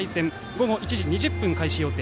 午後１時２０分開始予定。